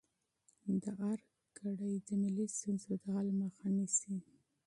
د ارګ کړۍ د ملي ستونزو د حل مخه نیسي.